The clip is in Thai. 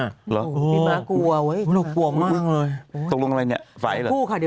หรือนี่มากลัวไว้น่ากลัวมากเลยตรงรุงอะไรนี่